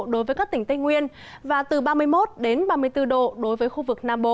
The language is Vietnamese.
đối với các tỉnh tây nguyên và từ ba mươi một ba mươi bốn độ đối với khu vực nam bộ